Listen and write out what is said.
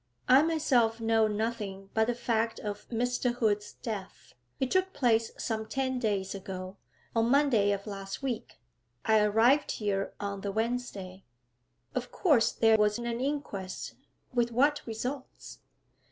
'I myself know nothing but the fact of Mr. Hood's death. It took place some ten days ago, on Monday of last week. I arrived here on the Wednesday.' 'Of course there was an inquest with what results?'